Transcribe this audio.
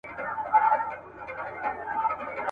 پوهه د ټولنیز عدالت احساس پیاوړی کوي.